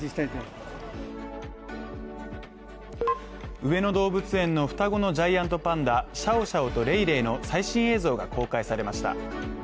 上野動物園の双子のジャイアントパンダ、シャオシャオとレイレイの最新映像が公開されました。